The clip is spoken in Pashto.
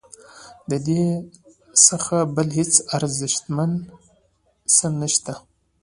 ددې څخه بل هیڅ ارزښتمن څه نشته.